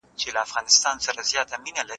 خلګ به په راتلونکي کي د پوهي لار خپله کړي.